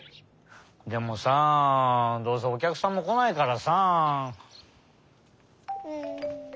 でもさどうせおきゃくさんもこないからさ。